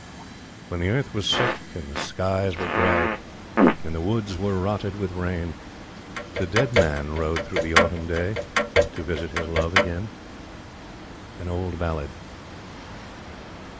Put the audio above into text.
When the earth was sick and the skies were gray, And the woods were rotted with rain, The Dead Man rode through the autumn day To visit his love again. Old Ballad.